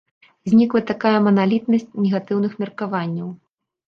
Знікла такая маналітнасць негатыўных меркаванняў.